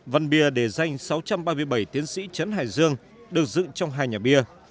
văn bia để danh sáu trăm ba mươi bảy tiến sĩ trấn hải dương được dựng trong hai nhà bia